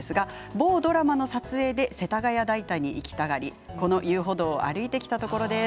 某ドラマの撮影で世田谷代田に行きたがりこの遊歩道歩いてきたところです。